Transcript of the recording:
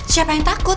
siapa yang takut